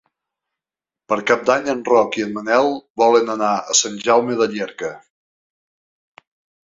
Per Cap d'Any en Roc i en Manel volen anar a Sant Jaume de Llierca.